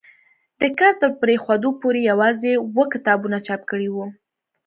د کار تر پرېښودو پورې یوازې اووه کتابونه چاپ کړي وو.